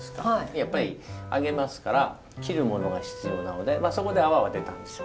やっぱり揚げますから切るものが必要なのでそこで泡が出たんですよ。